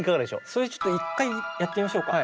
それちょっと一回やってみましょうか。